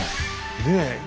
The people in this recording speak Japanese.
ねえ？